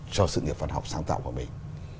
cho sự nghiệp văn học sáng tạo của mình